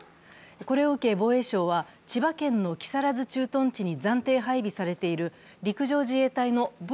これを受け防衛省は、千葉県の木更津駐屯地に暫定配備されている陸上自衛隊のＶ−２２